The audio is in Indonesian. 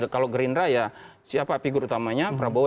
kalau gerindra ya siapa figur utamanya prabowo